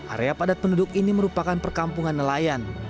area padat penduduk ini merupakan perkampungan nelayan